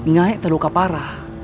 nyai terluka parah